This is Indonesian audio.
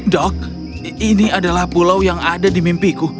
dok ini adalah pulau yang ada di mimpiku